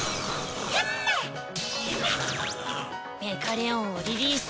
メカレオンをリリース。